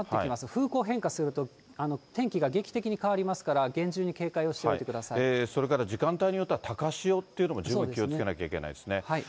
風向変化すると、天気が劇的に変わりますから、それから時間帯によっては、高潮というのも十分気をつけなきゃいけないですね。